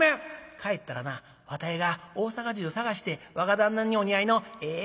帰ったらなわてが大阪中探して若旦那にお似合いのええ